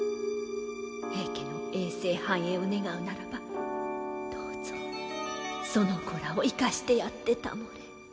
平家の永世繁栄を願うならばどうぞその子らを生かしてやってたもれ。